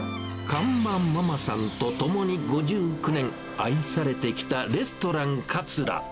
看板ママさんと共に５９年、愛されてきたレストラン桂。